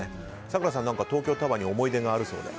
咲楽さんは東京タワーに思い出があるそうで。